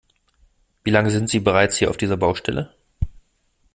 Wie lange sind sie bereits hier auf dieser Baustelle?